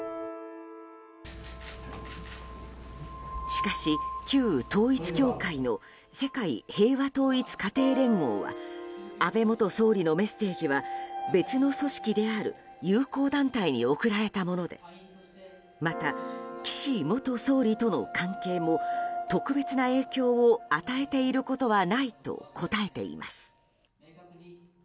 しかし、旧統一教会の世界平和統一家庭連合は安倍元総理のメッセージは別の組織である友好団体に送られたものでまた、岸元総理との関係も特別な影響を与えていることはないと答えています。